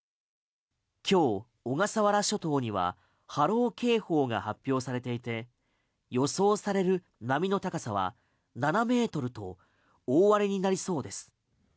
今日、小笠原諸島には波浪警報が発表されていて予想される波の高さは７ｍと大荒れになりそうです。